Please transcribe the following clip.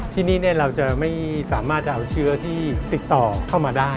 ที่นี่เราจะไม่สามารถจะเอาเชื้อที่ติดต่อเข้ามาได้